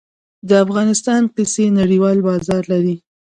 د افغانستان قیسی نړیوال بازار لري